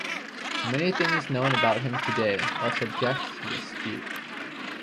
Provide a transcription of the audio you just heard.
Many things known about him today are subject to dispute.